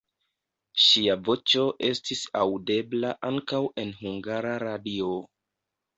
Ŝia voĉo estis aŭdebla ankaŭ en Hungara Radio.